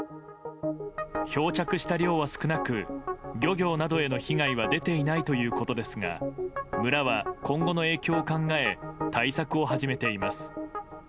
漂着した量は少なく漁業などへの被害は出ていないということですが村は今後の影響を考え対策を始めています。